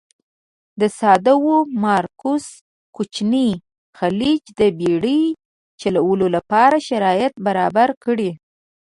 د سادومارکوس کوچینی خلیج د بېړی چلولو لپاره شرایط برابر کړي.